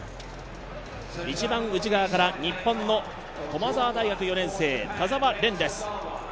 一番内側から日本の駒沢大学４年生田澤廉です。